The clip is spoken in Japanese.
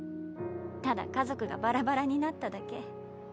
ただ家族がバラバラになっただけ。